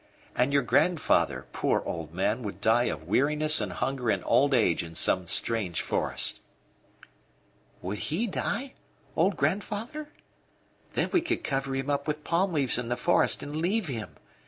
And your grandfather, poor old man, would die of weariness and hunger and old age in some strange forest." "Would he die old grandfather? Then we could cover him up with palm leaves in the forest and leave him.